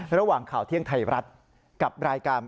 ระหว่างข่าวเที่ยงไทยรัฐกับรายการ